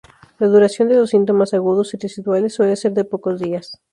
La duración de los síntomas agudos y residuales suele ser de pocos días.